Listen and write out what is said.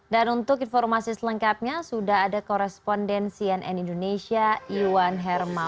dan untuk informasi selengkapnya sudah ada koresponden cnn indonesia iwan hermawan